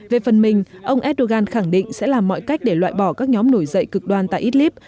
về phần mình ông erdogan khẳng định sẽ làm mọi cách để loại bỏ các nhóm nổi dậy cực đoan tại idlib